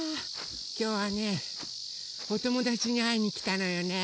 きょうはねおともだちにあいにきたのよね。